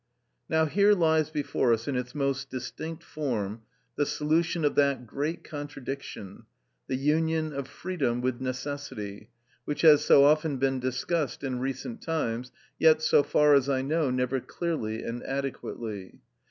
Now here lies before us in its most distinct form the solution of that great contradiction, the union of freedom with necessity, which has so often been discussed in recent times, yet, so far as I know, never clearly and adequately.